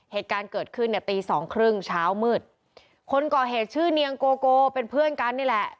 เหตุการณ์เกิดขึ้นเนี่ยตีสองครึ่งเช้ามืดคนก่อเหตุชื่อเนียงโกโกเป็นเพื่อนกันนี่แหละ